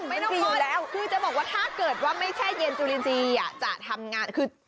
ไม่ต้องพอแล้วคือจะบอกว่าถ้าเกิดว่าไม่ใช่เย็นจุลินทรีย์จะทำงานคือ